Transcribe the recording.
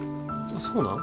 そうなん？